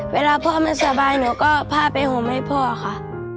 เวลาพ่อไม่สบายหนูก็พาไปห่มให้พ่อค่ะ